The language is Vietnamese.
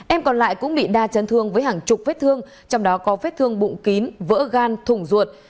em còn lại cũng bị đa chấn thương với hàng chục vết thương trong đó có vết thương bụng kín vỡ gan thùng ruột